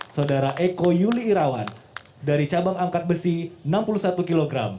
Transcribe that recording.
saudara eko yuli irawan dari cabang angkat besi enam puluh satu kg